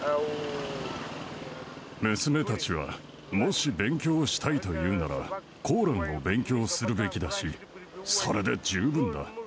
娘たちは、もし勉強したいというなら、コーランを勉強するべきだし、それで十分だ。